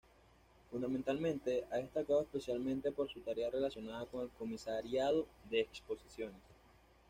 Fundamentalmente, ha destacado especialmente por su tarea relacionada con el comisariado de exposiciones.